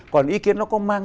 còn ý kiến nó có mang